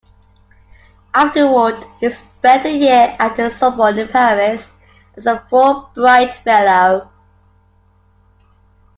Afterward, he spent a year at the Sorbonne, in Paris, as a Fulbright Fellow.